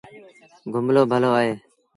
گملو ڀلو اهي۔